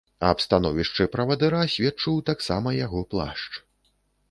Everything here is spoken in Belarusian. Аб становішчы правадыра сведчыў таксама яго плашч.